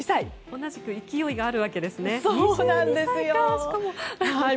同じく勢いがあるんですね。